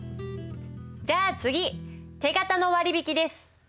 じゃあ次手形の割引です。